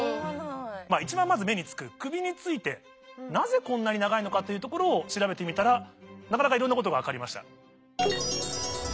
一番まず目につく首についてなぜこんなに長いのかというところを調べてみたらなかなかいろんなことが分かりました。